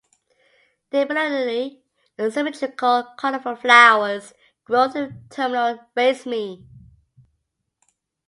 Their bilaterally symmetrical colorful flowers grow from a terminal raceme.